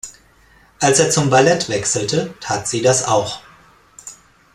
Als er zum Ballett wechselte, tat sie das auch.